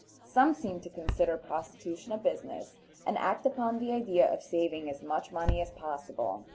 Some seem to consider prostitution a business, and act upon the idea of saving as much money as possible.